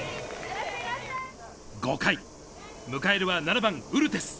５回、迎えるは７番、ウルテス。